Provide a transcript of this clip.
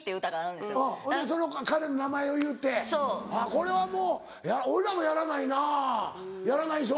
これはもう俺らもやらないなやらないでしょ？